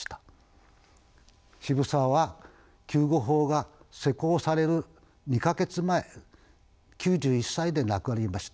渋沢は救護法が施行される２か月前９１歳で亡くなりました。